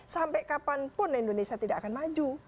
sampai kapanpun indonesia tidak akan maju